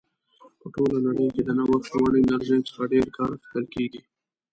په ټوله نړۍ کې د نوښت وړ انرژیو څخه ډېر کار اخیستل کیږي.